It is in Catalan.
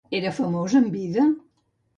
Era famós en vida?